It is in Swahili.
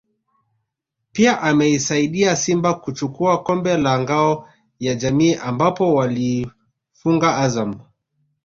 pia ameisaidia Simba kuchukua kombe la Ngao ya Jamii ambapo waliifunga Azam